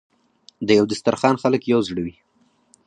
د یو دسترخان خلک یو زړه وي.